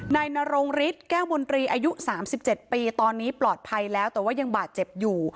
นายนรงฤทธิ์แก้วมนตรีอายุ๓๗ปีตอนนี้ปลอดภัยแล้วแต่ว่ายังบาดเจ็บอยู่